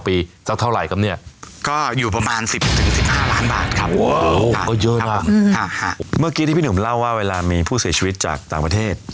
เพราะว่าเวลามีผู้เสียชีวิตจากต่างประเทศ